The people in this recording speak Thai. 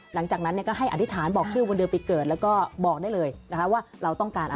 หลังจากนั้นก็ให้อธิษฐานบอกชื่อวันเดือนปีเกิดแล้วก็บอกได้เลยนะคะว่าเราต้องการอะไร